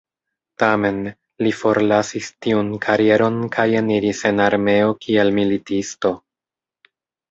Tamen li forlasis tiun karieron kaj eniris en armeo kiel militisto.